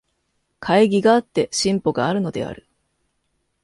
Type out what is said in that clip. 懐疑があって進歩があるのである。